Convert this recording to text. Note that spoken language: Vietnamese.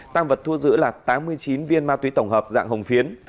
tăng vật thu giữ là tám mươi chín viên ma túy tổng hợp dạng hồng phiến